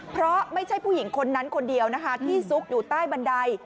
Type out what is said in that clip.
เพราะไม่ใช่ผู้หญิงคนนั้นคนเดียวนะคะที่ซุกอยู่ใต้บันได